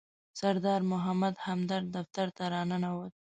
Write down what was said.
سردار محمد همدرد دفتر ته راننوت.